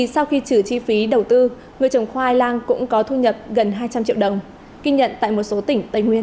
sau khi trừ chi phí đầu tư người trồng khoai lang cũng có thu nhập gần hai trăm linh triệu đồng ghi nhận tại một số tỉnh tây nguyên